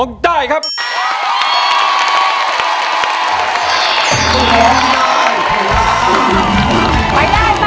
ไปได้ป่าไปได้